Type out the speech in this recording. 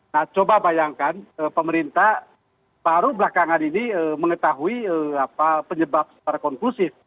nah coba bayangkan pemerintah baru belakangan ini mengetahui penyebab secara konklusif